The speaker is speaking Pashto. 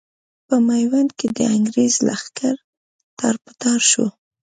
په ميوند کې د انګرېز لښکر تار په تار شو.